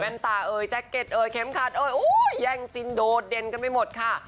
ตาเอ่ยแจ็คเก็ตเอ่ยเข็มขัดเอ้ยแย่งซินโดดเด่นกันไปหมดค่ะ